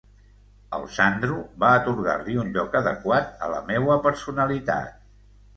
El Sandro va atorgar-li un lloc adequat a la meua personalitat.